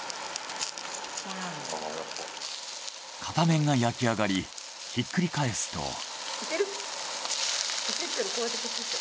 片面が焼き上がりひっくり返すと。